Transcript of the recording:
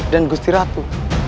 dan gusti ratu